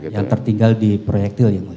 yang tertinggal di proyektil yang mulia